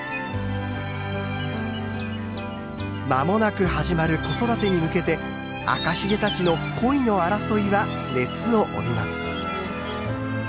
間もなく始まる子育てに向けてアカヒゲたちの恋の争いは熱を帯びます。